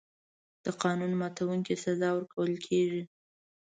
د قانون ماتونکي سزا ورکول کېږي.